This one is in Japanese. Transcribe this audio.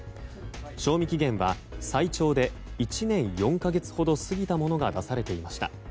賞味期限は最長で１年４か月ほど過ぎたものが出されていました。